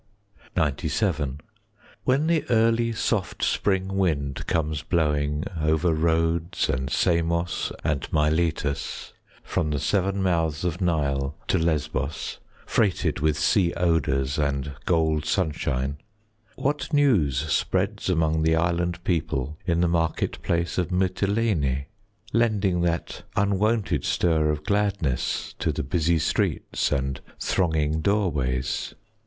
XCVII When the early soft spring wind comes blowing Over Rhodes and Samos and Miletus, From the seven mouths of Nile to Lesbos, Freighted with sea odours and gold sunshine, What news spreads among the island people 5 In the market place of Mitylene, Lending that unwonted stir of gladness To the busy streets and thronging doorways?